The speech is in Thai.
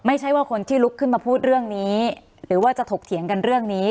ไม่ใช่ว่าคนที่ลุกขึ้นมาพูดเรื่องนี้หรือว่าจะถกเถียงกันเรื่องนี้